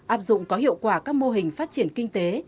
áp dụng có hiệu quả các mô hình phát triển kinh tế